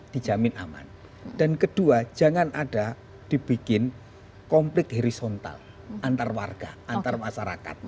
dan kedua jangan ada dibikin konflik horizontal antar warga antar masyarakat